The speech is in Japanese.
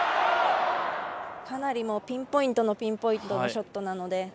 かなりピンポイントのピンポイントのショットなので。